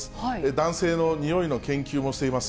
男性のにおいの研究もしています、